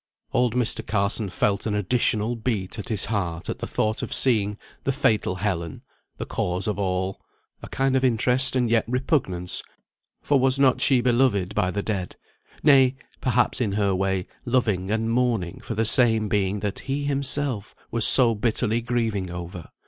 Old Mr. Carson felt an additional beat at his heart at the thought of seeing the fatal Helen, the cause of all a kind of interest and yet repugnance, for was not she beloved by the dead; nay, perhaps in her way, loving and mourning for the same being that he himself was so bitterly grieving over?